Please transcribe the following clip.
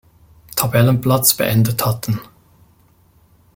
Tabellenplatz beendet hatten.